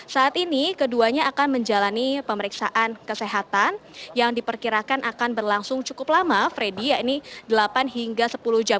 saat ini keduanya akan menjalani pemeriksaan kesehatan yang diperkirakan akan berlangsung cukup lama freddy yakni delapan hingga sepuluh jam